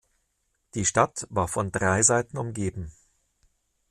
Die Stadt war von drei Seiten umgeben.